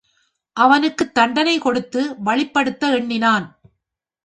அவனுக்குத் தண்டனை கொடுத்து வழிப்படுத்த எண்ணினான்.